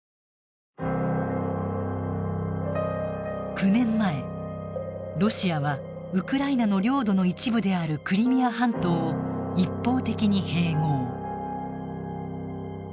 ９年前ロシアはウクライナの領土の一部であるクリミア半島を一方的に併合。